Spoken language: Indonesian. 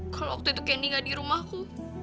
kalau waktu itu candi gak di rumahku